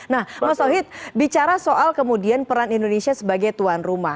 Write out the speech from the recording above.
nah mas tauhid bicara soal kemudian peran indonesia sebagai tuan rumah